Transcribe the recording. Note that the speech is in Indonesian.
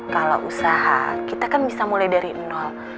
kalau usaha kita kan bisa mulai dari nol